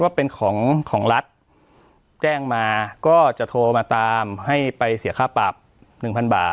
ว่าเป็นของของรัฐแจ้งมาก็จะโทรมาตามให้ไปเสียค่าปรับ๑๐๐บาท